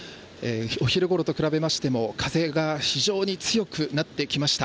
お昼ごろと比べましても風が非常に強くなってきました。